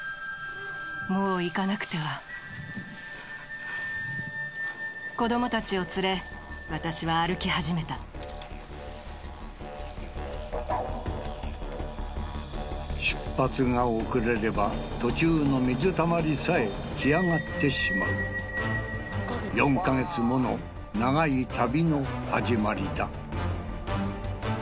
もう行かなくては子供達を連れ私は歩き始めた出発が遅れれば途中の水たまりさえ干上がってしまう４か月もの長い旅の始まりだ